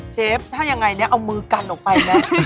เชฟถ้ายังไงเนี่ยเอามือกันออกไปนะ